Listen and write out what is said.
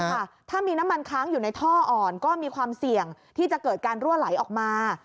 ถ้ามีน้ำมันค้างอยู่ในท่ออ่อนก็มีความเสี่ยงที่จะเกิดการรั่วไหลออกมา